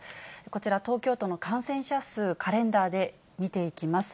こちら、東京都の感染者数、カレンダーで見ていきます。